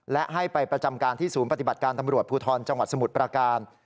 และให้ไปประจำการที่ศูนย์ปฏิบัติการตำรวจภูทรจังหวัดสมุทรประการ